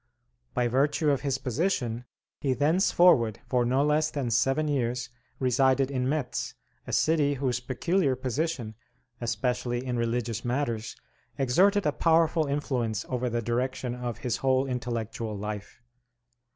By virtue of his position he thenceforward, for no less than seven years, resided in Metz, a city whose peculiar position, especially in religious matters, exerted a powerful influence over the direction of his whole intellectual life.